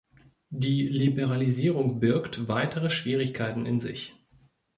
Die Liberalisierung birgt weitere Schwierigkeiten in sich.